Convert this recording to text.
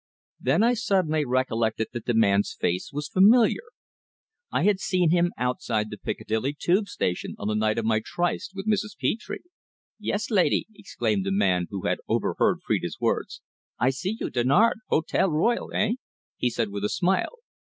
Then I suddenly recollected that the man's face was familiar. I had seen him outside the Piccadilly Tube Station on the night of my tryst with Mrs. Petre! "Yes, laidee!" exclaimed the man, who had overheard Phrida's words. "I see you Dinard Hotel Royal eh?" he said with a smile.